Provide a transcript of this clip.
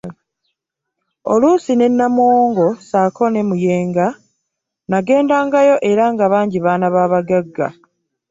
Oluusi ne Namuwongo ssaako Muyenga nagendangayo era nga bangi baana ba bagagga.